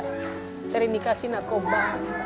karena saya tidak terindikasi narkoba